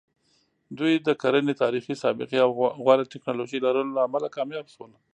دوی د کرنې تاریخي سابقې او غوره ټکنالوژۍ لرلو له امله کامیاب شول.